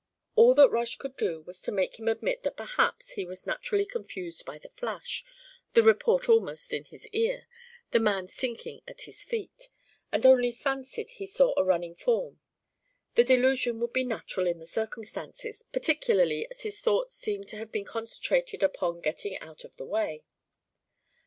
All that Rush could do was to make him admit that perhaps he was naturally confused by the flash, the report almost in his ear, the man sinking at his feet, and only fancied he saw a running form; the delusion would be natural in the circumstances, particularly as his thoughts seemed to have been concentrated upon getting out of the way.